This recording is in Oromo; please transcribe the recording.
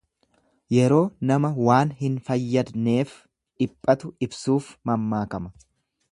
Yeroo nama waan hin fayyadneef dhiphatu ibsuuf mammaakama.